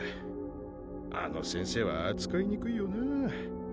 あの先生は扱いにくいよな。